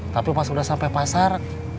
tapi pas udah sampai pasar